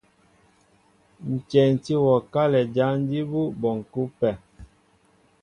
Ǹ tyɛntí wɔ kálɛ jǎn jí bú bɔnkɛ́ ú pɛ.